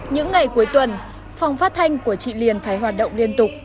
những ngày cuối tuần phòng phát thanh của chị liền phải hoạt động liên tục